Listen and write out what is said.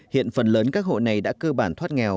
hiện phần lớn các hộ này đã cơ bản thoát nghèo